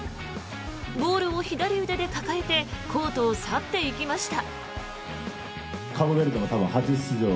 ボールを左腕で抱えてコートを去っていきました。